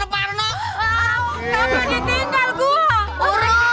pengen jadi artis artis